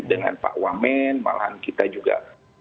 dengan pak wamen malahan kita juga